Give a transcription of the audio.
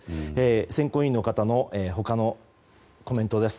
選考委員の方の他のコメントです。